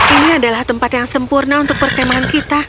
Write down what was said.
ini adalah tempat yang sempurna untuk perkembangan kita